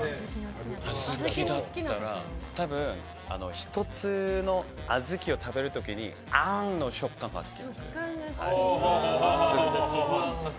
多分、１つの小豆を食べる時にあんの食感が好きです。